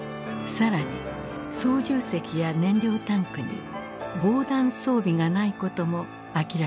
更に操縦席や燃料タンクに防弾装備がないことも明らかとなった。